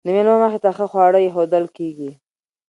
د میلمه مخې ته ښه خواړه ایښودل کیږي.